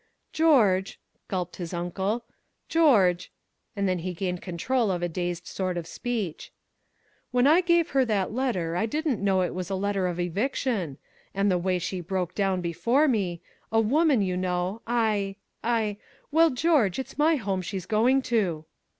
"George," gulped his uncle "George " And then he gained control of a dazed sort of speech. "When I gave her that letter I didn't know it was a letter of eviction. And the way she broke down before me a woman, you know I I well, George, it's my home she's going to."